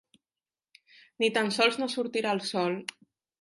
Ni tan sols no sortirà el sol.